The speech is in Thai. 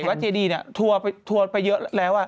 ว่าเจนี่ทั่วไปเยอะแล้ว